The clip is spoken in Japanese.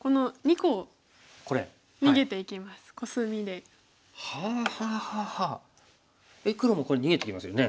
黒もこれ逃げてきますよね。